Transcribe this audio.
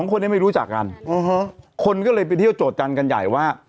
คนนี้ไม่รู้จักกันคนก็เลยไปเที่ยวโจทยจันทร์กันใหญ่ว่า